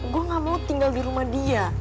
gue gak mau tinggal di rumah dia